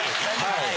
はい。